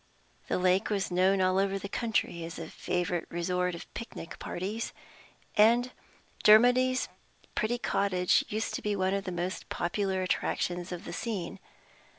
The lake was known all over the county as a favorite resort of picnic parties; and Dermody's pretty cottage used to be one of the popular attractions of the scene.